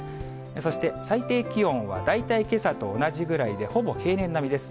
そして最低気温は大体けさと同じぐらいで、ほぼ平年並みです。